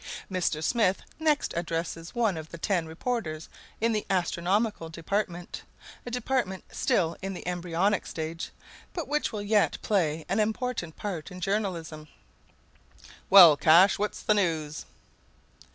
Mr. Smith next addresses one of the ten reporters in the astronomical department a department still in the embryonic stage, but which will yet play an important part in journalism. "Well, Cash, what's the news?"